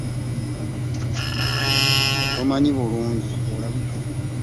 Tommanyi bulungi ggwe olabika.